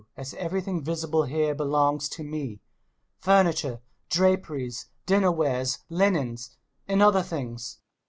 .. .as everything visible here belongs to me .... furniture, draperies, dinner ware, linen and other things!